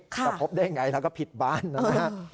จะพบได้ยังไงแล้วก็ผิดบ้านนะฮะ